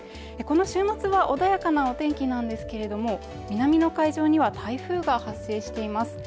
この週末は穏やかなお天気なんですけれども南の海上には台風が発生しています